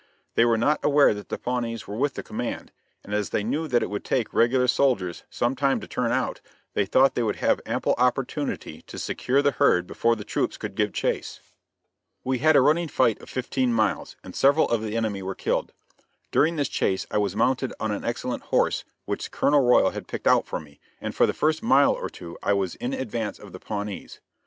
They were not aware that the Pawnees were with the command, and as they knew that it would take regular soldiers sometime to turn out, they thought they would have ample opportunity to secure the herd before the troops could give chase. We had a running fight of fifteen miles, and several of the enemy were killed. During this chase I was mounted on an excellent horse, which Colonel Royal had picked out for me, and for the first mile or two I was in advance of the Pawnees.